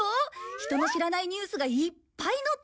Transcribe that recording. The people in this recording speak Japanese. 人の知らないニュースがいっぱい載ってる！